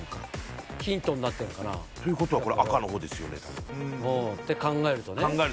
ヒントになってるのかな？ということは赤の方ですよね。って考えるとね。